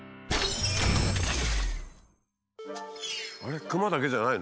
あれクマだけじゃないの？